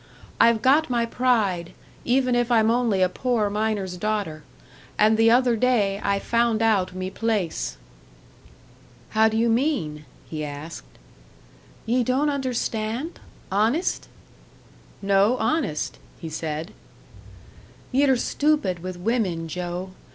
I've got my pride, even if I'm only a poor miner's daughter; and the other day I found out me place." "How do you mean?" he asked. "Ye don't understand? Honest?" "No, honest," he said. "Ye're stupid with women, Joe.